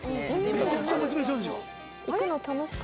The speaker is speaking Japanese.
めちゃくちゃモチベーション上がるでしょ。